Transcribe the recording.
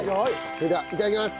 それではいただきます。